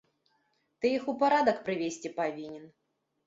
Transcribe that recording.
Ты іх у парадак прывесці павінен.